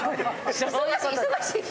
忙しい。